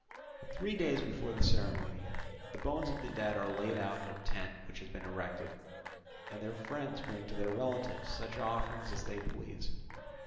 Three days before the ceremony, the bones of the dead are laid out in a tent which has been erected; and their friends bring to their relatives such offerings as they please.